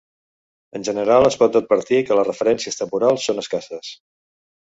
En general es pot advertir que les referències temporals són escasses.